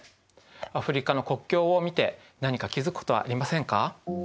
アフリカの国境を見て何か気付くことはありませんか？